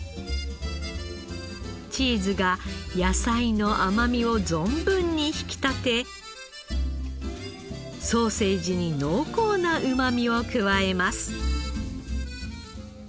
チーズが野菜の甘みを存分に引き立てソーセージに濃厚なうまみを加えます。